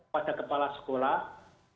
pada kepala sekolah